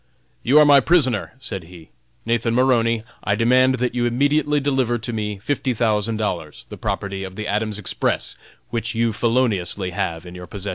"You are my prisoner!" said he. "Nathan Maroney, I demand that you immediately deliver to me fifty thousand dollars, the property of the Adams Express, which you feloniously have in your possession."